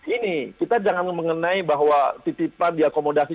ini kita jangan mengenai bahwa titipan diakomodasi